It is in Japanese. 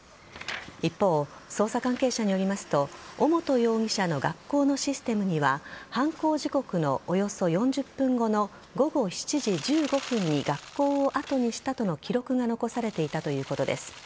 一方、捜査関係者によりますと尾本容疑者の学校のシステムには犯行時刻のおよそ４０分後の午後７時１５分に学校を後にしたとの記録が残されていたということです。